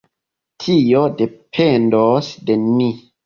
Tio dependos de ni!